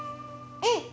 うん！